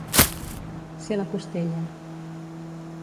Ser la costella.